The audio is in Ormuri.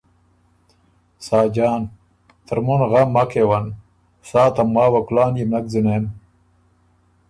ساجان ـــ ترمُن غم مک کېون، سا ته ماوه کلان يې بو نک ځُونېم